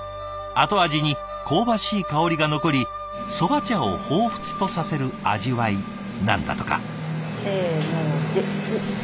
後味に香ばしい香りが残り蕎麦茶をほうふつとさせる味わいなんだとか。